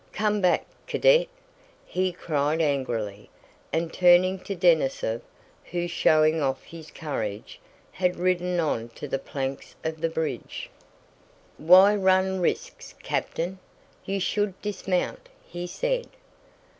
Come back, Cadet!" he cried angrily; and turning to Denísov, who, showing off his courage, had ridden on to the planks of the bridge: "Why run risks, Captain? You should dismount," he said.